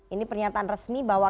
ini pernyataan resmi bahwa